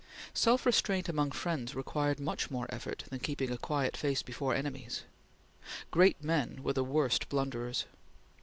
Self restraint among friends required much more effort than keeping a quiet face before enemies. Great men were the worst blunderers.